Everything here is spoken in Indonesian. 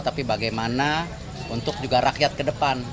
tapi bagaimana untuk juga rakyat ke depan